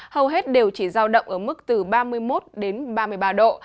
hầu hết đều chỉ giao động ở mức từ ba mươi một đến ba mươi ba độ